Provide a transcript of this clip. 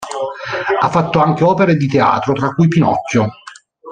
Ha fatto anche opere di teatro tra cui "Pinocchio".